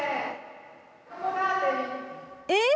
えっ！